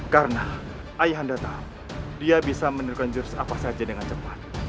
karena ayah anda tahu dia bisa menurunkan jurus apa saja dengan cepat